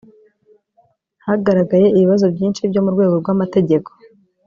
hagaragaye ibibazo byinshi byo mu rwego rw’amategeko